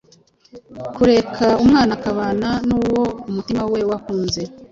kureka umwana akabana n’uwo umutima we wakunze.